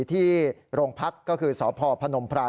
ที่โรงพักษณ์ก็คือสพพ